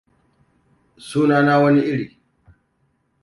Suna na wani iri.